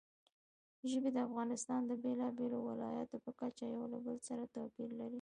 ژبې د افغانستان د بېلابېلو ولایاتو په کچه یو له بل سره توپیر لري.